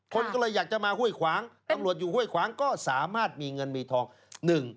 คนก็เลยอยากจะมาห้วยขวางตำรวจอยู่ห้วยขวางก็สามารถมีเงินมีทอง